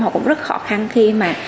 họ cũng rất khó khăn khi mà